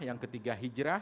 yang ketiga hijrah